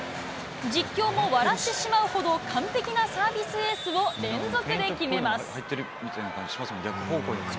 実況も笑ってしまうほど、完璧なサービスエースを連続で決めます。